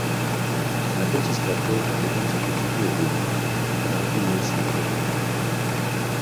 Na konci skladby dokonce pociťuje vinu a trápí jej svědomí.